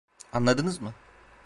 Anladınız mı?